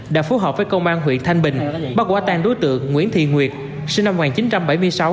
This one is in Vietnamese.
đã phối hợp với công an huyện thanh bình đang tạm giữ hình sự đối tượng nguyễn thị nguyệt sinh năm một nghìn chín trăm bảy mươi sáu